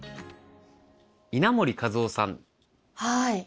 はい。